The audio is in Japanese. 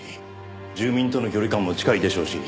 住民との距離感も近いでしょうし。